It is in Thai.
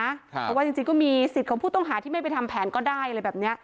เพราะว่าจริงก็มีสิทธิ์ของผู้ต้องหาที่ไม่ไปทำแผนก็ได้อะไรแบบนี้